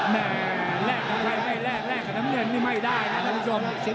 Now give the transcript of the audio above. แม่แรกกับใครแรกกับน้ำเย็นนี่ไม่ได้นะครับท่านผู้ชม